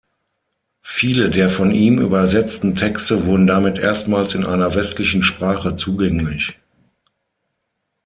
Viele der von ihm übersetzten Texte wurden damit erstmals in einer westlichen Sprache zugänglich.